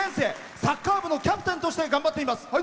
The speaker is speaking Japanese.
サッカー部のキャプテンとして頑張っています。